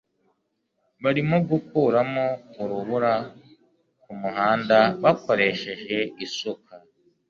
barimo gukuramo urubura kumuhanda bakoresheje isuka